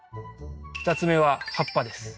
２つ目は葉っぱです。